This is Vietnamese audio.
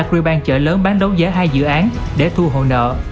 công ty thiên phú là một chợ lớn bán đấu giá hai dự án để thu hộ nợ